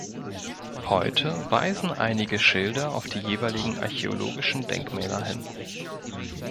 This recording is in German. Heute weisen einige Schilder auf die jeweiligen archäologischen Denkmäler hin.